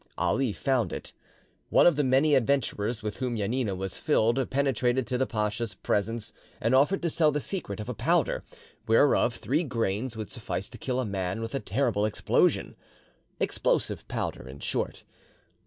Ali found it. One of the many adventurers with whom Janina was filled penetrated to the pacha's presence, and offered to sell the secret of a powder whereof three grains would suffice to kill a man with a terrible explosion—explosive powder, in short.